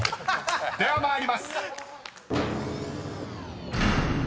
［では参ります］